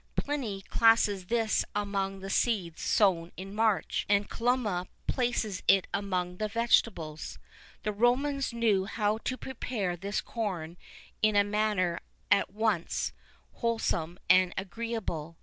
Pliny classes this among the seeds sown in March,[II 21] and Columella places it among the vegetables.[II 22] The Romans knew how to prepare this corn in a manner at once wholesome and agreeable.